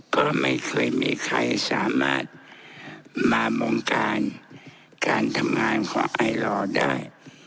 ก็ไม่เคยมีใครสามารถมามองการการทำงานของไอลอได้